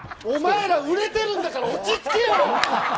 お前ら売れてるんだから落ち着けや！